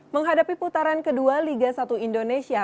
menghadapi putaran kedua liga satu indonesia